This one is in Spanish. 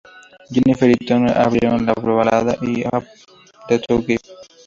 Jennifer y Tom escribieron la balada, "All I Have to Give".